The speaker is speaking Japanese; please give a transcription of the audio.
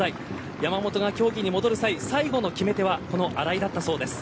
山本が競技に戻る際最後の決め手はこの荒井だったそうです。